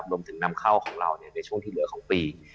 นำเข้าของเราในช่วงที่เหลือของปี